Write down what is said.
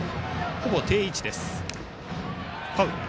ほぼ定位置です。